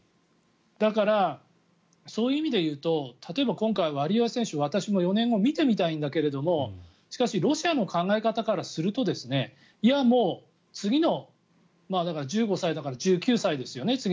だから、そういう意味でいうと例えば、今回ワリエワ選手私も４年後を見てみたいんだけどしかしロシアの考え方からするといや、もう次のだから１５歳だから１９歳ですよね。